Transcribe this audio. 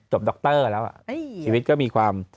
จบด็อกเตอร์แล้วชีวิตก็มีความ